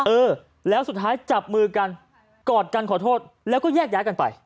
เออแล้วสุดท้ายจับมือกันกอดกันขอโทษแล้วก็แยกย้ายกันไป